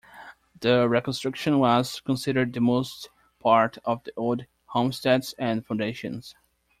The reconstruction was considered the most part of the old homesteads and foundations.